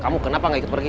kamu kenapa gak ikut pergi